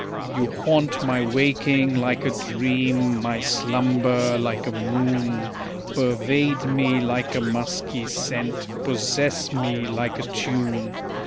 You haunt my waking like a dream, my slumber like a moon, Pervade me like a musky scent, possess me like a tune.